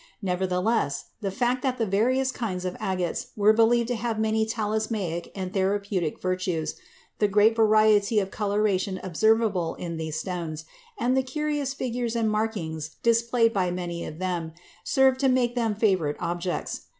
Nevertheless the fact that the various kinds of agates were believed to have many talismanic and therapeutic virtues, the great variety of coloration observable in these stones, and the curious figures and markings displayed by many of them, served to make them favorite objects.